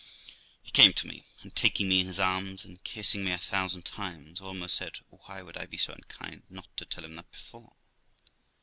He came to me, and taking me in his arms and kissing me a thousand times almost, said, Why would I be so unkind not to tell him that before?